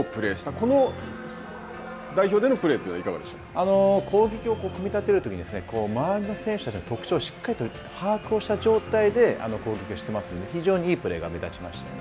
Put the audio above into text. この代表でのプレーというのは攻撃を組み立てるときに周りの選手たちの特徴をしっかり把握した状態で攻撃をしていますので非常にいいプレーが目立ちましたね。